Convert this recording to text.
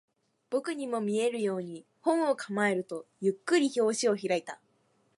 僕にも見えるように、本を構えると、ゆっくり表紙を開いた